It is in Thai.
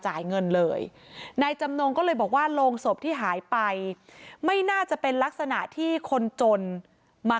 จ่ายเงินเลยนายจำนงก็เลยบอกว่าโรงศพที่หายไปไม่น่าจะเป็นลักษณะที่คนจนมา